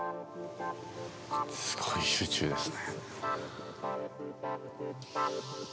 すごい集中ですね。